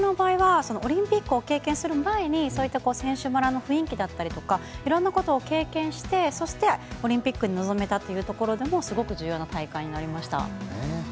なので私の場合はオリンピックを経験する前に選手村の雰囲気だったりとか色んなことを経験してそしてオリンピックに臨めたっていうところでもすごく重要な大会になりました。